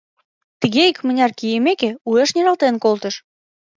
Тыге икмыняр кийымеке, уэш нералтен колтыш.